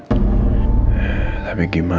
tapi gmn kalo nino cari andin ke kampus ya